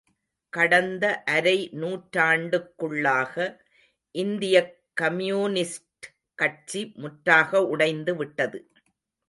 கடந்த அரை நூற்றாண்டுக்குள்ளாக இந்தியக் கம்யூனிஸ்ட் கட்சி முற்றாக உடைந்து விட்டது.